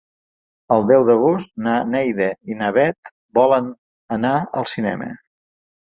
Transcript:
El deu d'agost na Neida i na Bet volen anar al cinema.